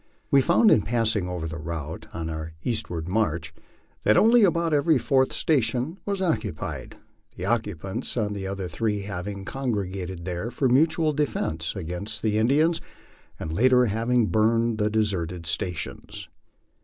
We found, in passing over the route on our east ward march, that only about every fourth station was occupied, the occupants of the other three having congregated there for mutual defence against the In dians, the latter having burned the deserted stations.